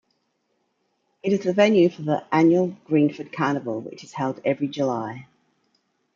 It is the venue for the annual Greenford Carnival, which is held every July.